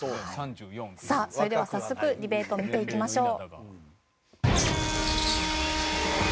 さあそれでは早速ディベートを見ていきましょう。